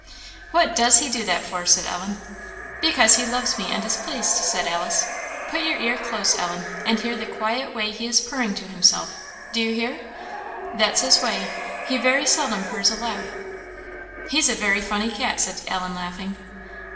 "What does he do that for?" said Ellen. "Because he loves me, and is pleased," said Alice. "Put your ear close, Ellen, and hear the quiet way he is purring to himself do you hear? That's his way; he very seldom purrs aloud." "He's a very funny cat," said Ellen laughing.